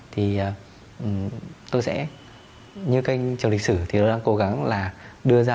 thì tôi sẽ như kênh trường lịch sử thì tôi đang cố gắng là đưa ra